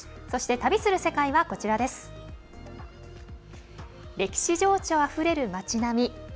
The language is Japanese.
そして「旅する世界」は歴史情緒あふれる町並み。